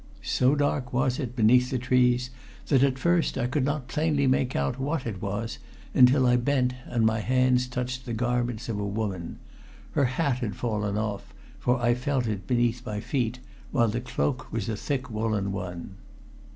So dark was it beneath the trees that at first I could not plainly make out what it was until I bent and my hands touched the garments of a woman. Her hat had fallen off, for I felt it beneath my feet, while the cloak was a thick woolen one.